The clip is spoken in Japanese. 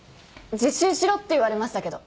自習しろって言われましたけど。